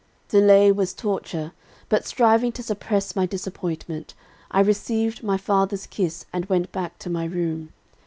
"] "Delay was torture; but striving to suppress my disappointment, I received my father's kiss and went back to my room.